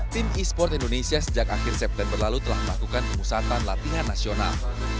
tim e sports indonesia sejak akhir september lalu telah melakukan pemusatan latihan nasional